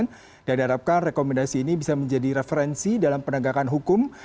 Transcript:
untuk pihak kepolisian dan diharapkan rekomendasi ini bisa menjadi referensi dalam penegakan hukum